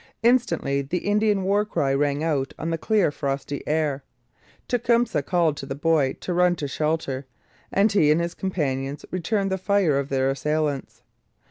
Instantly the Indian war cry rang out on the clear, frosty air. Tecumseh called to the boy to run to shelter, and he and his companions returned the fire of their assailants.